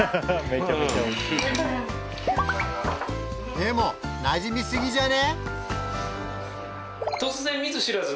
でも馴染みすぎじゃね？